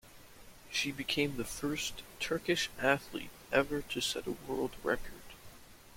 She became the first Turkish athlete ever to set a world record.